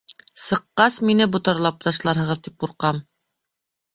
Сыҡҡас, мине ботарлап ташларһығыҙ тип ҡурҡам.